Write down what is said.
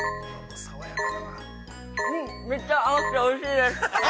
めっちゃあうし、おいしいです。